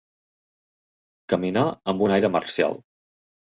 Caminar amb un aire marcial.